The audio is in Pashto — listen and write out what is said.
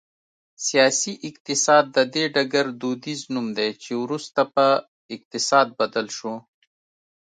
سیاسي اقتصاد د دې ډګر دودیز نوم دی چې وروسته په اقتصاد بدل شو